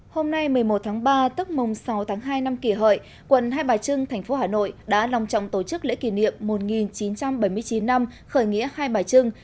hôm nay một mươi một tháng ba tức mùng sáu tháng hai năm kỷ hợi quận hai bà trưng thành phố hà nội đã lòng trọng tổ chức lễ kỷ niệm một nghìn chín trăm bảy mươi chín năm khởi nghĩa hai bà trưng